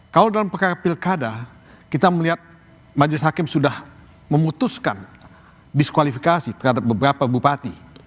kalau dalam perkara pilkada kita melihat majelis hakim sudah memutuskan diskualifikasi terhadap beberapa bupati